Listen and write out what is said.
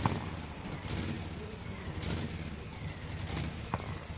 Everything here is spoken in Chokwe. Kumahethu kuli mikishi akulisasa.